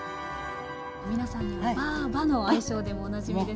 皆さんにもばぁばの愛称でもおなじみですので。